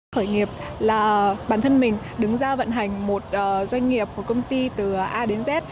khởi nghiệp là bản thân mình đứng ra vận hành một doanh nghiệp một công ty từ a đến z